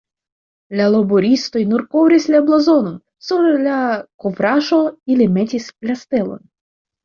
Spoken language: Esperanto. La laboristoj nur kovris la blazonon, sur la kovraĵo ili metis la stelon.